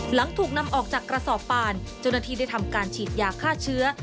หลังถูกนำออกจากกระสอบปานเจ้าหน้าที่ได้ทำการฉีดยาฆ่าเชื้อ